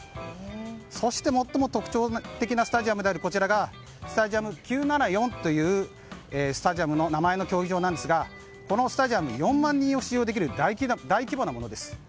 そして、最も特徴的なスタジアムであるこちらがスタジアム９７４という名前の競技場ですがこのスタジアム、４万人を収容できる大規模なものです。